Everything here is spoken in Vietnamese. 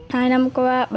hai năm qua bà